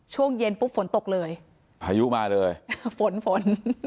ช่วงเย็นปุ๊บฝนตกเลยพายุมาเลยฝนฝน